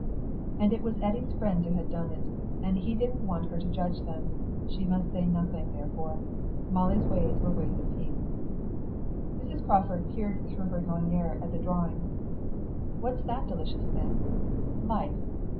And it was Eddy's friends who had done it, and he didn't want her to judge them; she must say nothing, therefore. Molly's ways were ways of peace. Mrs. Crawford peered through her lorgnette at the drawing. "What's that delicious thing? 'Life.